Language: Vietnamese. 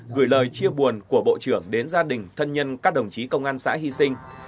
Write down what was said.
gửi lời chia buồn của bộ trưởng đến gia đình thân nhân các đồng chí công an xã hy sinh